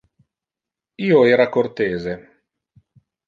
Io era cortese.